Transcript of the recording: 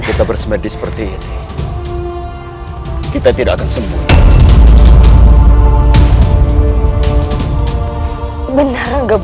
tidak aktiv untuk mendapat sh neutral umum